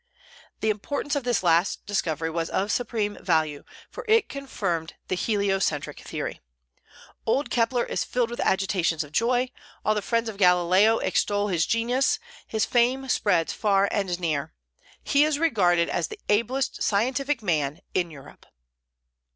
The importance of this last discovery was of supreme value, for it confirmed the heliocentric theory. Old Kepler is filled with agitations of joy; all the friends of Galileo extol his genius; his fame spreads far and near; he is regarded as the ablest scientific man in Europe.